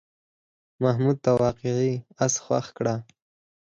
محمود ته واقعي آس خوښ کړه.